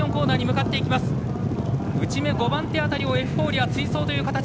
内め、５番目辺りエフフォーリアが追走という形。